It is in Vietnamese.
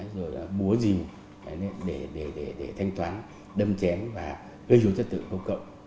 rồi búa dì để thanh toán đâm chén và gây dấu chất tự không cộng